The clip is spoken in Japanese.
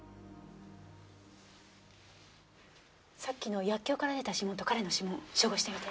さっきの薬莢から出た指紋と彼の指紋照合してみて。